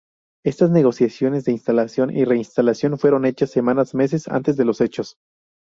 Estas negociaciones de instalación y reinstalación fueron hechas semanas meses antes de los hechos.